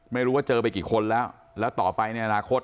ไม่รู้ว่าเจอไปกี่คนแล้วแล้วต่อไปในอนาคต